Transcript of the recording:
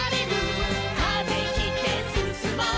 「風切ってすすもう」